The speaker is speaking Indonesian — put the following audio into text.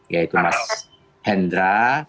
yaitu mas hendra